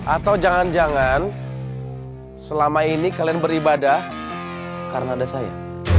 atau jangan jangan selama ini kalian beribadah karena ada saya